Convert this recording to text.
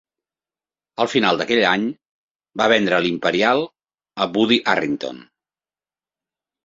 Al final d'aquell any, va vendre l'Imperial a Buddy Arrington.